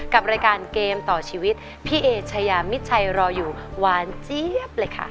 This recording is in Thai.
กับรายการเกมต่อชีวิตพี่เอชายามิดชัยรออยู่หวานเจี๊ยบเลยค่ะ